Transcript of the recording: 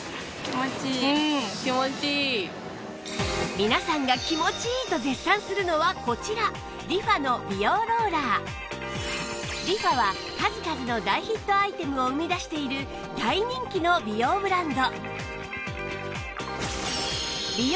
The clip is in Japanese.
皆さんが気持ちいいと絶賛するのはこちらＲｅＦａ は数々の大ヒットアイテムを生み出している大人気の美容ブランド